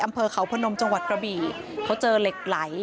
อำเภอเขาพนมจังหวัดกระบี่เขาเจอเหล็กไหล